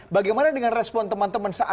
bagaimana dengan respon teman teman